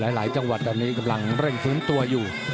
หลายจังหวัดตอนนี้กำลังเร่งฟื้นตัวอยู่